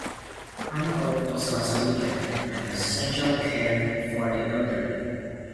Huncote also has a woodyard, and a residential care home for the elderly.